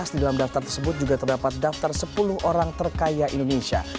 di dalam daftar tersebut juga terdapat daftar sepuluh orang terkaya indonesia